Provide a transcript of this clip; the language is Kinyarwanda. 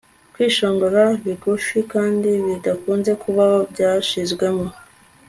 Kwishongora bigufi kandi bidakunze kubaho byashizwemo